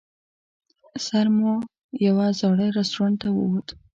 سر مو یوه زاړه رستورانت ته ووت.